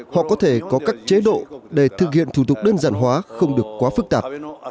họ có thể có các chế độ để thực hiện thủ tục đơn giản hóa không được quá phức tạp